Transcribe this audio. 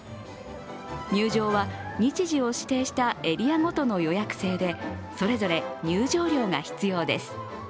入場は、日時を指定したエリアごとの予約制でそれぞれ入場料が必要です。